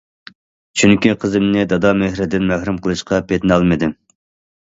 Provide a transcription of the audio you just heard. چۈنكى قىزىمنى دادا مېھرىدىن مەھرۇم قىلىشقا پېتىنالمىدىم.